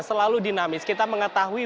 selalu dinamis kita mengetahui